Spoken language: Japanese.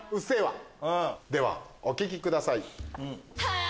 ではお聴きください。